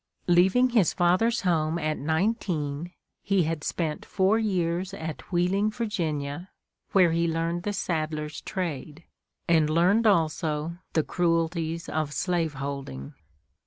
Leaving his father's home at nineteen, he had spent four years at Wheeling, Va., where he learned the saddler's trade, and learned also the cruelties of slave holding.